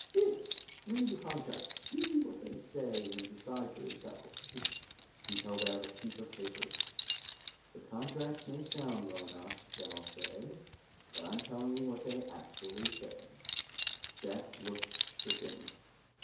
Here, read the contracts, see what they say and decide for yourselves." He held out a sheaf of papers. "The contracts may sound well enough," Dal said, "but I'm telling you what they actually say." Jack looked stricken.